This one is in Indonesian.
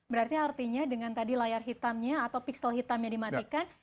berarti artinya dengan tadi layar hitamnya atau piksel hitam yang dimatikan